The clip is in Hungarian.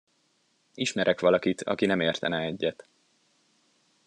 Ismerek valakit, aki nem értene egyet.